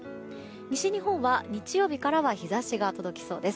西日本は日曜日からは日差しが届きそうです。